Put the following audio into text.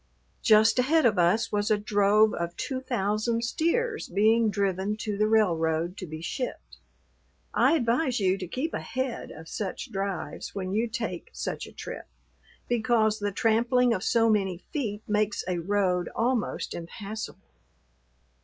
Just ahead of us was a drove of two thousand steers being driven to the railroad to be shipped. I advise you to keep ahead of such drives when you take such a trip, because the trampling of so many feet makes a road almost impassable.